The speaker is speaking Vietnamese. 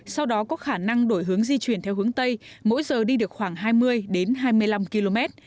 sau đó có khả năng đổi hướng di chuyển theo hướng tây mỗi giờ đi được khoảng hai mươi hai mươi năm km